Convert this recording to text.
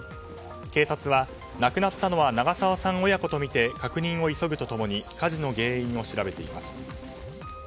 警察は亡くなったのは長澤さん親子とみて確認を急ぐと共に火事の原因を調べています。